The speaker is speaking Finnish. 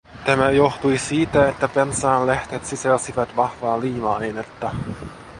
Tämä johtui siitä, että pensaan lehdet sisälsivät vahvaa liima-ainetta.